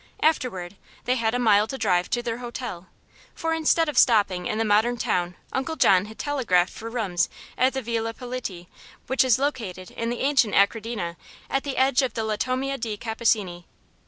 Afterward they had a mile to drive to their hotel; for instead of stopping in the modern town Uncle John had telegraphed for rooms at the Villa Politi, which is located in the ancient Achradina, at the edge of the Latomia de Cappuccini.